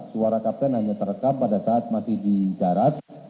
suara kapten hanya terekam pada saat masih di darat